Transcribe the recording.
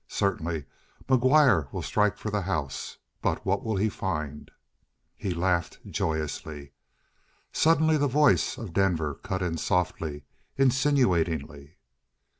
Certainly McGuire will strike for the house. But what will he find?" He laughed joyously. Suddenly the voice of Denver cut in softly, insinuatingly.